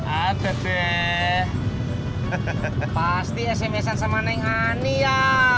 ada deh pasti sms sama neng ani ya